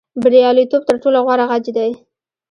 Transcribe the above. بریالیتوب تر ټولو غوره غچ دی.